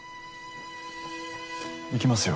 行きますよ。